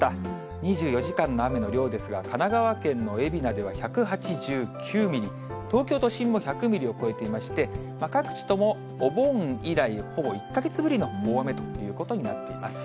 ２４時間の雨の量ですが、神奈川県の海老名では１８９ミリ、東京都心も１００ミリを超えていまして、各地ともお盆以来、ほぼ１か月ぶりの大雨ということになっています。